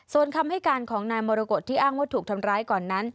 ส่วนคำให้การของนายมรกฏที่อ้างว่าถูกทำร้ายก่อนนั้น